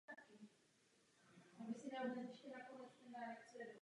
V jejím středu stojí dřevěná zvonice a nedaleko ní kříž.